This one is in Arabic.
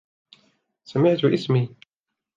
سمعتُ إسمي.